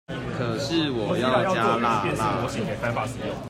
可是我要加辣辣